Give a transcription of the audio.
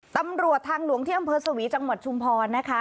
ตำรวจทางหลวงเที่ยมพสวีจังหวัดชุมพอนะคะ